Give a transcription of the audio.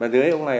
và dưới ông này